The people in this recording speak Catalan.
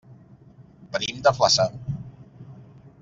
Venim de Flaçà.